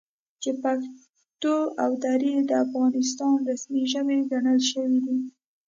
چې پښتو او دري د افغانستان رسمي ژبې ګڼل شوي دي،